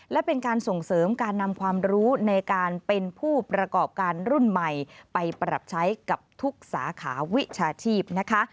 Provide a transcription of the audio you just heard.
และเป็นการส่งเสริมการนำความรู้ในการเป็นผู้ประกอบการรุ่นใหม่ไปปรับใช้กับทุกสาขาวิชาชีพนะคะ